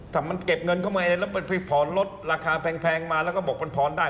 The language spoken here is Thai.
ถ้ามันเก็บเงินเข้ามาเองแล้วไปผ่อนลดราคาแพงมาแล้วก็บอกมันผ่อนได้